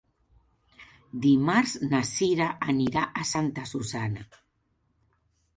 Dimarts na Cira anirà a Santa Susanna.